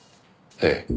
ええ。